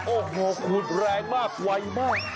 โอ้โหขูดแรงมากไวมาก